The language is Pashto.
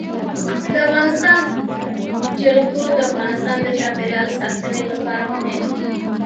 د افغانستان جلکو د افغانستان د چاپیریال ساتنې لپاره مهم دي.